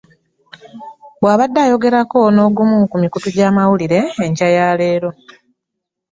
Bw'abadde ayogerako n'ogumu ku mikutu gy'amawulire enkya ya leero